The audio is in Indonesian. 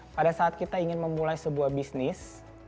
pada saat kita ingin memulai sebuah bisnis